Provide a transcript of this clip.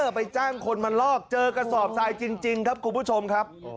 ไปจ้างคนมาลอกเจอกระสอบทรายจริงครับคุณผู้ชมครับ